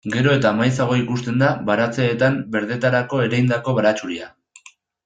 Gero eta maizago ikusten da baratzeetan berdetarako ereindako baratxuria.